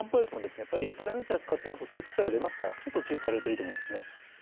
やっぱりやたらめったら使ってますとそういう副作用が出ますからちょっと注意されるといいと思うんですね。